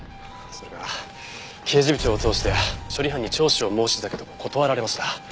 それが刑事部長を通して処理班に聴取を申し出たけど断られました。